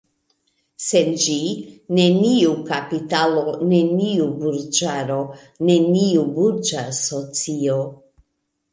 Sen ĝi, neniu kapitalo, neniu burĝaro, neniu burĝa socio.